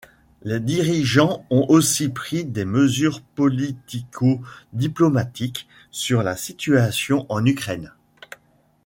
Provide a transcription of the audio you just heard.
Les dirigeants ont aussi pris des mesures politico-diplomatiques sur la situation en Ukraine.